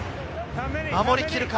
守り切るか？